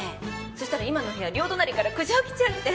そしたら今の部屋両隣から苦情来ちゃって。